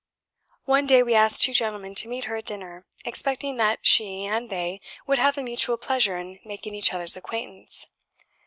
One day we asked two gentlemen to meet her at dinner; expecting that she and they would have a mutual pleasure in making each other's acquaintance.